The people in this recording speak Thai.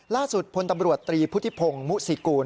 ล่าสุดพลตำรวจตรีพุทธิพงศ์มุษิกูล